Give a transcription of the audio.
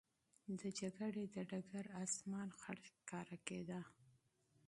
د جګړې د ډګر آسمان خړ ښکاره کېده.